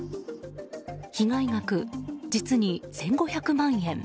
被害額、実に１５００万円。